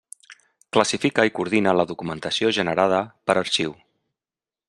Classifica i coordina la documentació generada per a arxiu.